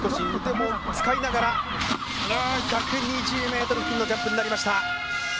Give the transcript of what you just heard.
１２０ｍ付近のジャンプになりました。